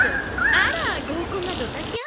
あら合コンがドタキャン？